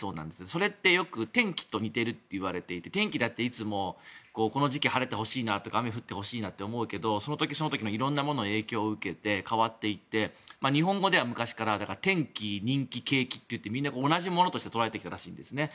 それってよく天気と似てるっていわれていて、天気だっていつもこの時期、晴れてほしいな雨が降ってほしいなと思うけど、その時その時の色んなものに影響を受けて変わっていって日本語では昔から天気、人気、景気ってみんな同じものとして捉えてきたらしいんですね。